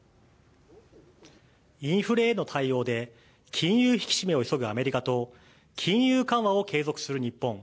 インフレへの対応で、金融引き締めを急ぐアメリカと、金融緩和を継続する日本。